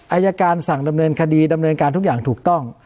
อายการสั่งดำเนินคดีดำเนินการทุกอย่างถูกต้อง